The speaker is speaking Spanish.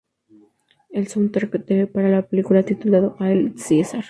El soundtrack para la película, titulado "Hail Caesar!